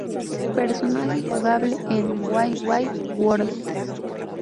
Personaje jugable en "Wai Wai World".